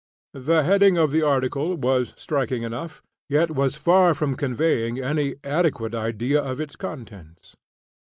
The heading of the article was striking enough, yet was far from conveying any adequate idea of its contents.